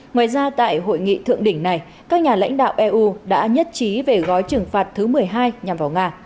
ngoài ra tại hội nghị thượng đỉnh này các nhà lãnh đạo eu đã nhất trí về gói trừng phạt thứ một mươi hai nhằm vào nga